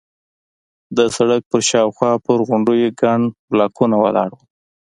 د سړک پر شاوخوا پر غونډیو ګڼ بلاکونه ولاړ وو.